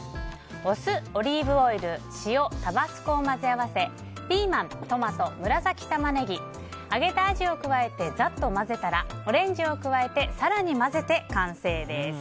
お酢、オリーブオイル、塩タバスコを混ぜ合わせピーマン、トマト、紫タマネギ揚げたアジを加えてざっと混ぜたらオレンジを加えて更に混ぜて完成です。